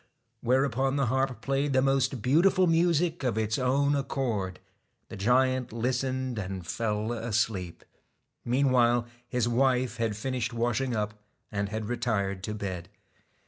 whereupon the harp played the most beautiful music of its own accord. The giant listened, and fell asleep. Meanwhile his wife had finished washing up and had retired to bed.